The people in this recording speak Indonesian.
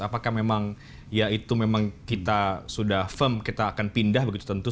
apakah memang ya itu memang kita sudah firm kita akan pindah begitu tentu